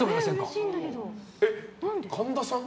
神田さん？